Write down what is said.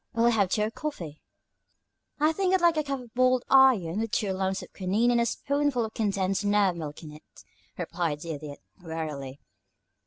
Will you have tea or coffee?" "I think I'd like a cup of boiled iron, with two lumps of quinine and a spoonful of condensed nerve milk in it," replied the Idiot, wearily.